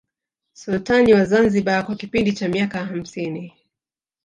Sultani wa Zanzibar kwa kipindi cha miaka hamsini